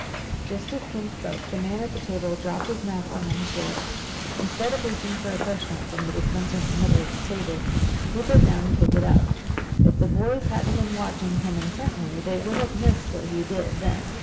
Just as Ken spoke, the man at the table dropped his napkin on the floor. Instead of reaching for a fresh one from the dispenser in the middle of the table, he bent down to pick it up. If the boys hadn't been watching him intently they would have missed what he did then.